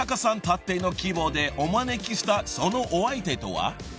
たっての希望でお招きしたそのお相手とは］